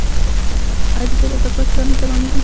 آیا د تیلو استخراج ګران نه تمامېږي؟